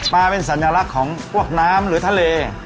เป็นสัญลักษณ์ของพวกน้ำหรือทะเล